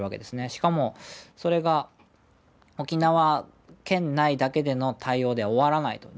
しかもそれが沖縄県内だけでの対応で終わらないと。